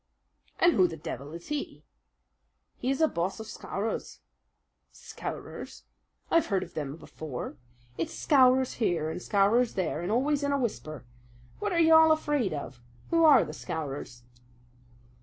"And who the devil is he?" "He is a boss of Scowrers." "Scowrers! I've heard of them before. It's Scowrers here and Scowrers there, and always in a whisper! What are you all afraid of? Who are the Scowrers?"